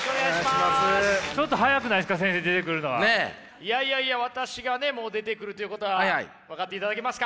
いやいやいや私がねもう出てくるということは分かっていただけますか？